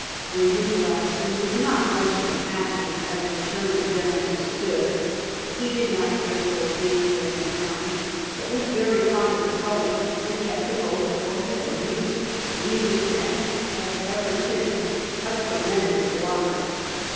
William Gladstone was not much of an athlete, as the term was then understood. He did not care for games of any kind, but was very fond of sculling, and kept a boat for his own use, and he was then, as ever since, a tremendous walker.